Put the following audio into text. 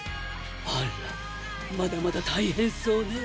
あらまだまだ大変そうね